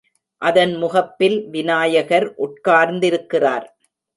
அதன் முகப்பில் விநாயகர் உட்கார்ந்திருக்கிறார்.